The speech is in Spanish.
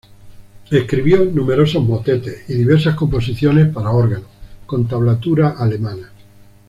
Escribió numerosos motetes y diversas composiciones para órgano, con tablatura alemana.